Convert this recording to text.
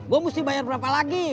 gue mesti bayar berapa lagi